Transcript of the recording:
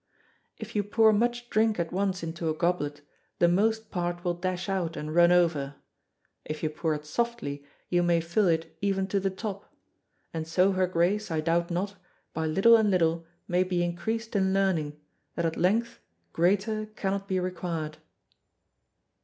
If you pour much drink at once into a goblet, the most part will dash out and run over; if ye pour it softly you may fill it even to the top, and so her Grace, I doubt not, by little and little may be increased in learning, that at length greater cannot be required."